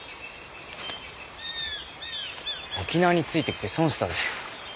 沖縄についてきて損したぜ。